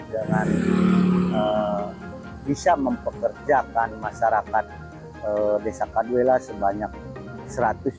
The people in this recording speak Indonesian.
dengan bisa mempekerjakan masyarakat desa kaduela sebanyak satu ratus dua puluh